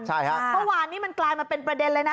ใช่ฮะเมื่อวานนี้มันกลายมาเป็นประเด็นเลยนะ